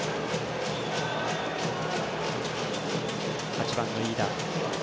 ８番の飯田。